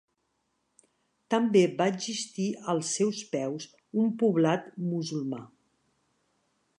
També va existir als seus peus, un poblat musulmà.